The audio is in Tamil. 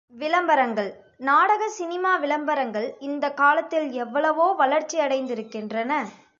விளம்பரங்கள் நாடக சினிமா விளம்பரங்கள் இந்தக் காலத்தில் எவ்வளவோ வளர்ச்சியடைந்திருக்கின்றன.